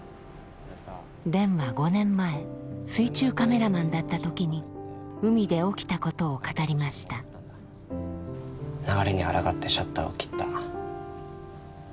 蓮は５年前水中カメラマンだった時に海で起きたことを語りました流れにあらがってシャッターを切った。